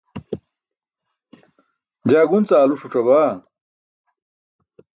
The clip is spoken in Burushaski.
jaa gunc aalu ṣuc̣abaa